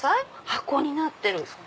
箱になってる。